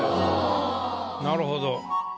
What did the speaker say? なるほど。